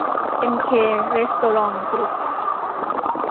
เอ็มเค เรสโตรองต์ กรุ๊ป